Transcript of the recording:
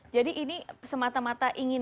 jadi ini semata mata